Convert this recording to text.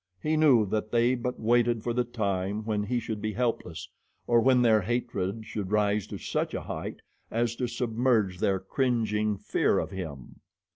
He knew that they but waited for the time when he should be helpless, or when their hatred should rise to such a height as to submerge their cringing fear of him.